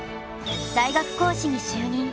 大学講師に就任。